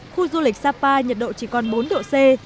khu du lịch sapa nhiệt độ chỉ còn bốn độ c